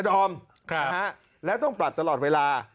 ค่ะครับและต้องปลัดตลอดเวลา